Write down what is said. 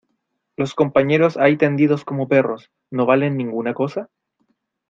¿ los compañeros ahí tendidos como perros, no valen ninguna cosa?